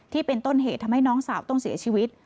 ที่เป็นต้นเหตุทำให้น้องสาวต้องเสียชีวิต